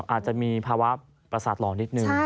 อาจจะมีภาวะประสาทหล่อนิดนึง